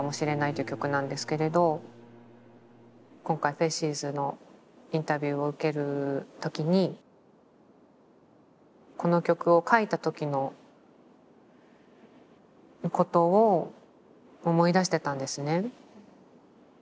という曲なんですけれど今回「ＦＡＣＥＳ」のインタビューを受ける時にこの曲を書いた時のことを思い出してたんですね。